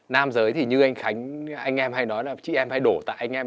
nam giới thì như anh khánh anh em hay nói là chị em hay đổ tại anh em